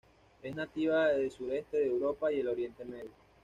Es nativa de sureste de Europa y el Oriente Medio.